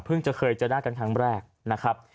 เพิ่งจะเคยเจอได้กันครั้งแรกนะครับ